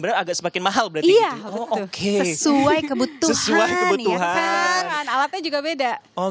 berat agak semakin mahal berarti oh oke sesuai kebutuhan sesuai kebutuhan alatnya juga beda oh